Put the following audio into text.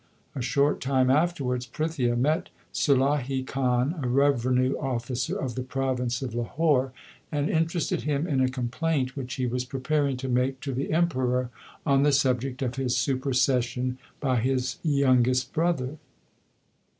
A short time afterwards Prithia met Sulahi Khan, a revenue officer of the province of Lahore, and interested him in a complaint which 2 THE SIKH RELIGION he was preparing to make to the Emperor on the subject of his supersession by his youngest brother.